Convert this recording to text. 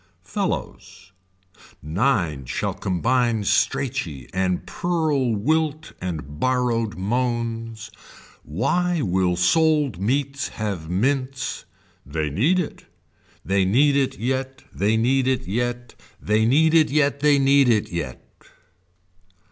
fellows. Nine shall combine Straichy and purl wilt and borrowed moans. Why will sold meats have mints. They need it. They need it yet. They need it yet. They need it yet they need it yet.